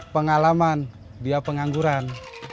pengalaman dia pengangguran